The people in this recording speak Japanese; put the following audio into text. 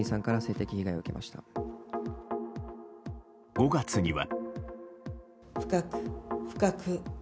５月には。